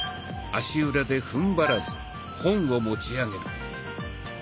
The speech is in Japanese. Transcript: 足裏でふんばらず本を持ち上げる。